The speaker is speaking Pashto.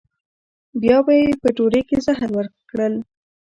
بیا به یې په ډوډۍ کې زهر ورکړل.